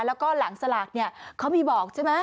แล้วก็หลังสละกเขามีบอกใช่ไหม